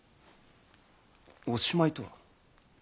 おしまいとは？